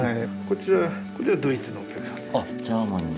こちらこれはドイツのお客様ですね。